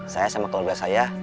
saya sama keluarga saya